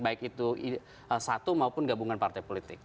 baik itu satu maupun gabungan partai politik